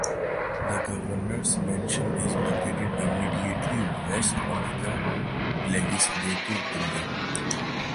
The Governor's Mansion is located immediately west of the Legislative Building.